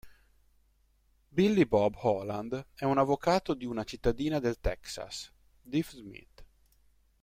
Billy Bob Holland è un avvocato di una cittadina del Texas, Deaf Smith.